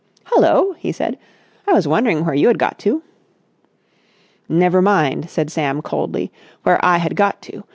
"Hullo!" he said. "I was wondering where you had got to." "Never mind," said Sam coldly, "where I had got to!